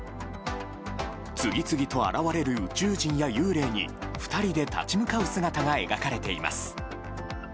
次々と現れる宇宙人や幽霊に２人で立ち向かう姿が描かれています。